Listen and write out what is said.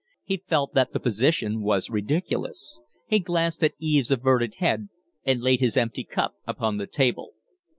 He felt that the position was ridiculous. He glanced at Eve's averted head, and laid his empty cup upon the table.